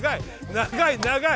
長い長い。